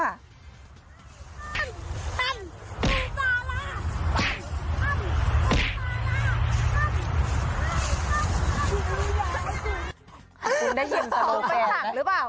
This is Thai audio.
คุณได้ยินสโลแกนนะ